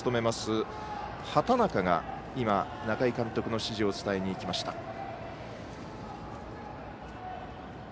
圃中が中井監督の指示を伝えに行きました。